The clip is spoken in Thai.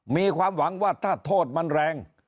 มีความหวังว่าถ้าโทษมันแรง